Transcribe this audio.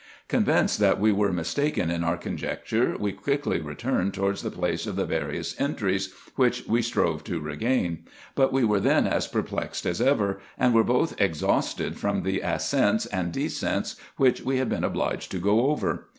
Convinced that we were mis taken in our conjecture, we quickly returned towards the place of the various entries, which we strove to regain. But we were then as perplexed as ever, and were both exhausted from the ascents and descents, which we had been obliged to go over.